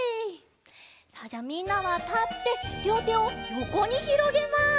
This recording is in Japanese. さあじゃあみんなはたってりょうてをよこにひろげます！